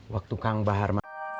waktu kang bahar